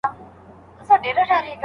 کرنه د هیواد د پرمختګ لامل دی.